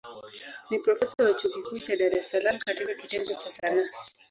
Ni profesa wa chuo kikuu cha Dar es Salaam katika kitengo cha Sanaa.